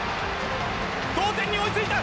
同点に追いついた。